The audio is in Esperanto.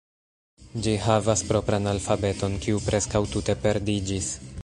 Ĝi havas propran alfabeton, kiu preskaŭ tute perdiĝis.